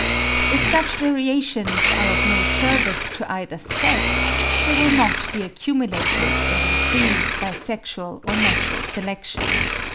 If such variations are of no service to either sex, they will not be accumulated and increased by sexual or natural selection.